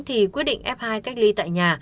thì quyết định f hai cách ly tại nhà